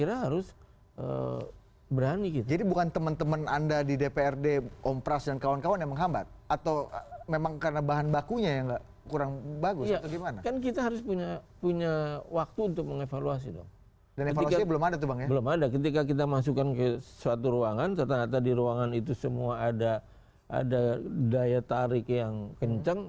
ada ketika kita masukkan ke suatu ruangan ternyata di ruangan itu semua ada daya tarik yang kencang